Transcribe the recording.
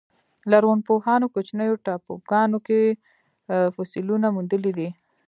لرغونپوهانو کوچنیو ټاپوګانو کې فسیلونه موندلي دي.